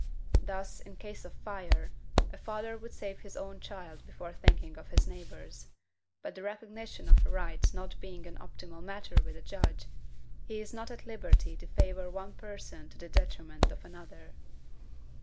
Thus, in case of fire, a father would save his own child before thinking of his neighbor's; but the recognition of a right not being an optional matter with a judge, he is not at liberty to favor one person to the detriment of another.